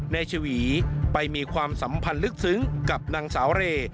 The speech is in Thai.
ชวีไปมีความสัมพันธ์ลึกซึ้งกับนางสาวเร